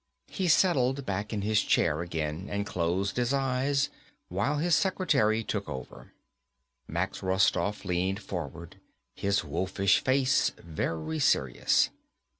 He settled back in his chair again and closed his eyes while his secretary took over. Max Rostoff leaned forward, his wolfish face very serious.